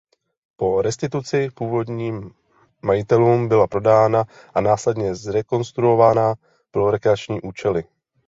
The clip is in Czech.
Po restituci původním majitelům byla prodána a následně zrekonstruována pro rekreační účely.